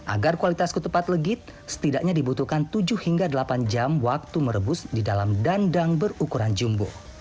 agar kualitas ketupat legit setidaknya dibutuhkan tujuh hingga delapan jam waktu merebus di dalam dandang berukuran jumbo